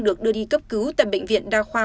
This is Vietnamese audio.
được đưa đi cấp cứu tại bệnh viện đa khoa